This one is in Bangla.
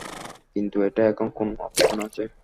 কিন্তু, এটা এখন কোন অবস্থানে আছে?